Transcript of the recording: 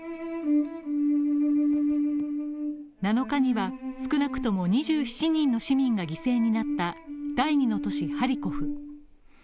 ７日には、少なくとも２７人の市民が犠牲になった第２の都市、ハリコフ。